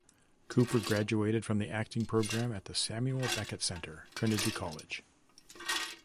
Cooper graduated from the acting program at the Samuel Beckett Centre, Trinity College.